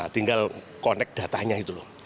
tinggal connect datanya itu loh